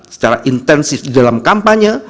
secara intensif di dalam kampanye